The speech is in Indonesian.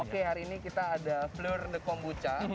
oke hari ini kita ada fleur de kombucha